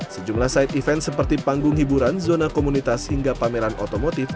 sejumlah side event seperti panggung hiburan zona komunitas hingga pameran otomotif